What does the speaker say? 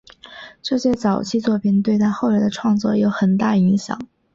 这些早期作品对他后来的创作有很大影响。